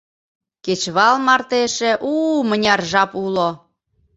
Кечывал марте эше у-у мыняр жап уло.